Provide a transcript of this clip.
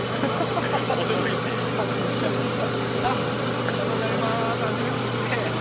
本当に来ちゃいました